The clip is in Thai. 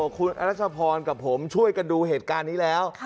คุณอรัชพรกับผมช่วยกันดูเหตุการณ์นี้แล้ว